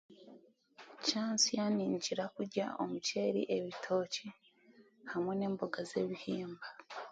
Kyansya ndakiira kurya omuceeri, ebitookye hamwe n'embooga z'ebihimba.